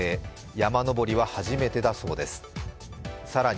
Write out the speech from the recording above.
山登りは初めてだそうです、更に